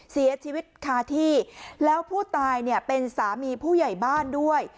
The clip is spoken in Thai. เสียชีวิตคาที่แล้วผู้ตายเนี่ยเป็นสามีผู้ใหญ่บ้านด้วย